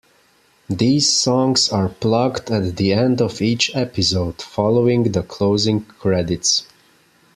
These songs are plugged at the end of each episode, following the closing credits.